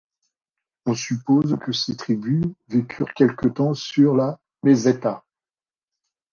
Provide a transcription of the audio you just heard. On suppose que ces tribus vécurent quelque temps sur la Meseta.